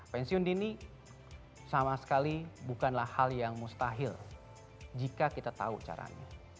pensiun dini sama sekali bukanlah hal yang mustahil jika kita tahu caranya